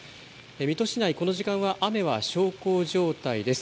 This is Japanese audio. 水戸市内この時間は雨は小康状態です。